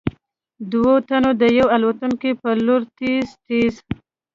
دوو تنو د يوې الوتکې په لور تېز تېز �